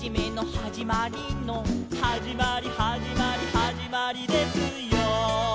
「はじまりはじまりはじまりですよ」